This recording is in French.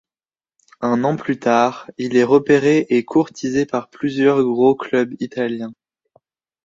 Un an plus tard, il est repéré et courtisé par plusieurs gros clubs italiens.